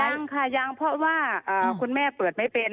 ยังค่ะยังเพราะว่าคุณแม่เปิดไม่เป็น